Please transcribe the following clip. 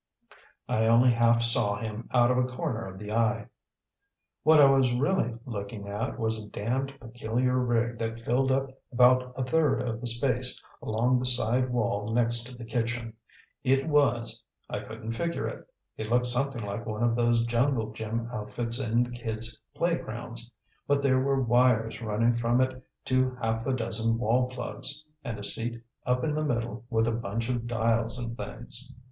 I only half saw him out of a corner of the eye. What I was really looking at was a damned peculiar rig that filled up about a third of the space along the side wall next to the kitchen. It was I couldn't figure it. It looked something like one of those jungle gym outfits in the kids' playgrounds. But there were wires running from it to half a dozen wall plugs, and a seat up in the middle with a bunch of dials and things.